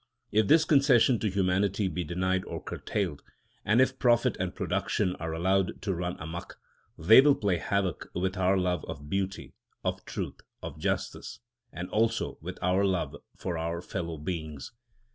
If this concession to humanity be denied or curtailed, and if profit and production are allowed to run amuck, they will play havoc with our love of beauty, of truth, of justice, and also with our love for our fellow beings.